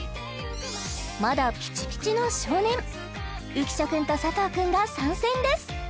まだピチピチの少年浮所君と佐藤君が参戦です